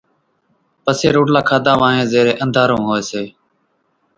پسي روٽلا کاڌا وانھين زيرين انڌارو ھوئي سي